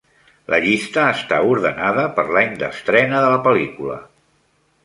La llista està ordenada per l'any d'estrena de la pel·lícula.